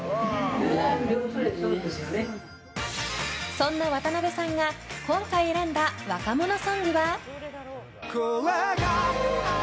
そんな渡邉さんが今回選んだ若者ソングは。